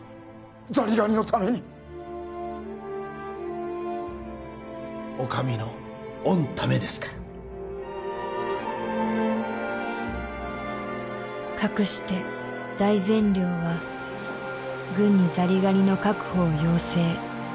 ザリガニのためにお上の御為ですからかくして大膳寮は軍にザリガニの確保を要請